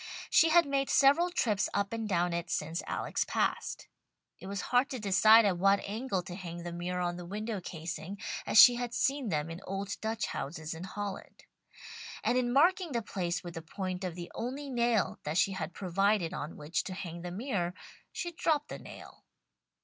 She had made several trips up and down it since Alex passed. It was hard to decide at what angle to hang the mirror on the window casing, as she had seen them in old Dutch houses in Holland; and in marking the place with the point of the only nail that she had provided on which to hang the mirror, she dropped the nail.